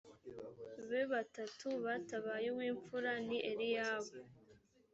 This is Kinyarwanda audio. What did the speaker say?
be batatu batabaye uw imfura ni eliyabu